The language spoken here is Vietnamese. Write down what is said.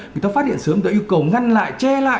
người ta phát hiện sớm người ta yêu cầu ngăn lại che lại